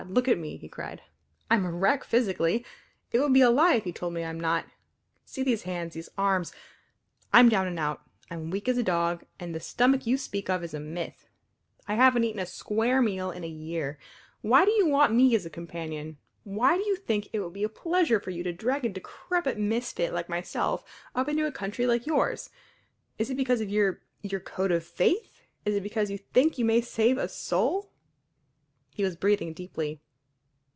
look at me!" he cried. "I am a wreck, physically. It would be a lie if you told me I am not. See these hands these arms! I'm down and out. I'm weak as a dog, and the stomach you speak of is a myth. I haven't eaten a square meal in a year. Why do you want me as a companion? Why do you think it would be a pleasure for you to drag a decrepit misfit like myself up into a country like yours? Is it because of your your code of faith? Is it because you think you may save a soul?" He was breathing deeply.